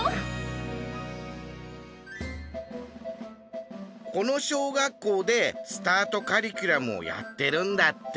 この小学校でスタートカリキュラムをやってるんだって！